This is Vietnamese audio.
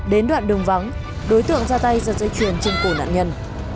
đến đoạn đường vắng đối tượng ra tay giật dây chuyền trên cổ nạn nhân